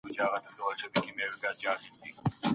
هره ورځ نوي کارونه تجربه کړئ.